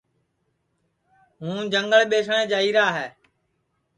ہوں جنٚگل ٻیسٹؔے جائیرا ہے